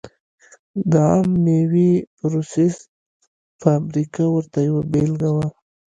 د عم مېوې پروسس فابریکه ورته یوه بېلګه وه.